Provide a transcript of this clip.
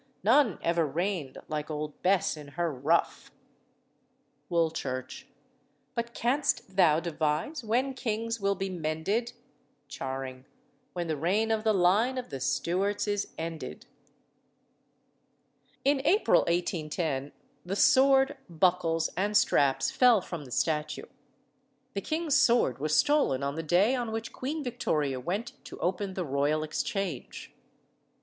None ever reigned like old Bess in her ruff. WOOLCHURCH. But can'st thou devise when kings will be mended? CHARING. When the reign of the line of the Stuarts is ended." In April 1810 the sword, buckles, and straps fell from the statue. The king's sword was stolen on the day on which Queen Victoria went to open the Royal Exchange.